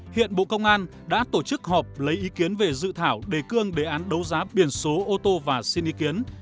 hiện bộ công an đã tổ chức họp lấy ý kiến về dự thảo đề cương đề án đấu giá biển số ô tô và xin ý kiến